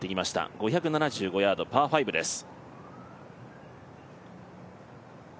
５７５ヤード、パー５です。